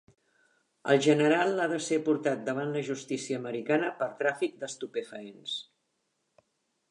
El general ha de ser portat davant la justícia americana per tràfic d'estupefaents.